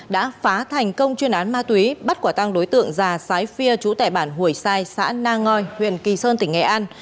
đã phá thành công chuyên án ma túy bắt quả tăng đối tượng già sái phia chú tẻ bản hủy sai xã na ngoi huyện kỳ sơn tỉnh nghệ an